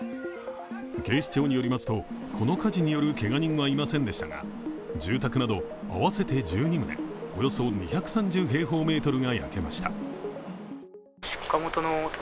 警視庁によりますとこの火事によるけが人はいませんでしたが住宅など合わせて１２棟、およそ２３０平方メートルが焼けました。